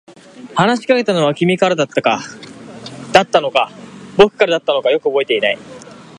話しかけたのは君からだったのか、僕からだったのか、よく覚えていない。